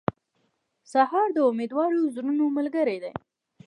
سهار د امیدوارو زړونو ملګری دی.